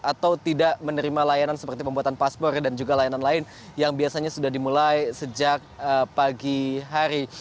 atau tidak menerima layanan seperti pembuatan paspor dan juga layanan lain yang biasanya sudah dimulai sejak pagi hari